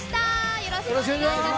よろしくお願いします。